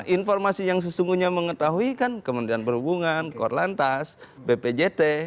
informasi yang sesungguhnya mengetahui kan kementerian perhubungan korlantas bpjt